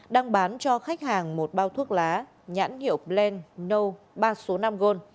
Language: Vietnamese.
đang bán cho khách hàng một bao thuốc lá nhãn hiệu blend no ba số năm g